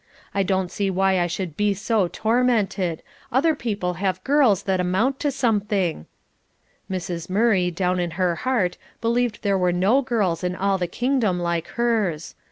I don't see why I should be so tormented; other people have girls that amount to something." Mrs. Murray, down in her heart, believed there were no girls in all the kingdom like hers.